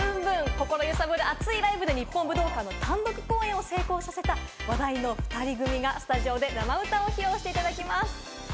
心揺さぶる熱いライブで日本武道館単独公演を成功させた話題の２人組がスタジオ生歌披露です。